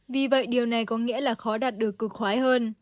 vì vậy điều này có nghĩa là khó đạt được cực khoái hơn